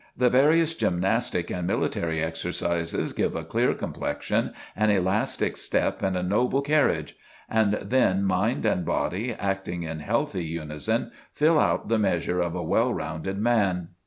The various gymnastic and military exercises give a clear complexion, an elastic step and a noble carriage; and then mind and body, acting in healthy unison, fill out the measure of a well rounded man."